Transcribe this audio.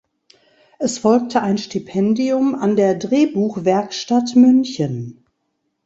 Es folgte ein Stipendium an der Drehbuchwerkstatt München.